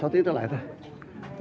sáu tiếng trở lại thôi